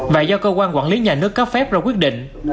và do cơ quan quản lý nhà nước cấp phép ra quyết định